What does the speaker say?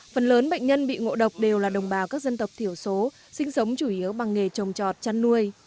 phần lớn bệnh nhân bị ngộ độc đều là đồng bào các dân tộc thiểu số sinh sống chủ yếu bằng nghề trồng trọt chăn nuôi